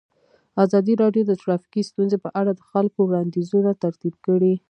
ازادي راډیو د ټرافیکي ستونزې په اړه د خلکو وړاندیزونه ترتیب کړي.